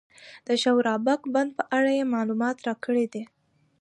د شورابک بند په اړه یې معلومات راکړي دي.